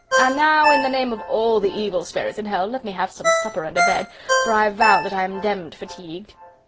And now, in the name of all the evil spirits in hell, let me have some supper and a bed, for I vow that I am demmed fatigued."